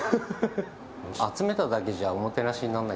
集めただけじゃおもてなしにならない。